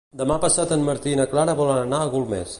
Demà passat en Martí i na Clara volen anar a Golmés.